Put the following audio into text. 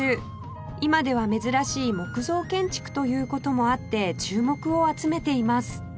今では珍しい木造建築という事もあって注目を集めています